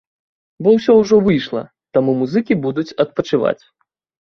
Бо ўсё ўжо выйшла, таму музыкі будуць адпачываць.